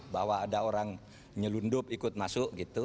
bahwa ada orang nyelundup ikut masuk gitu